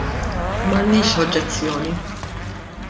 M'għandniex oġġezzjoni.